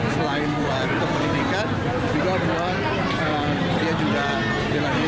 selain buat pendidikan juga buat dia juga berdiri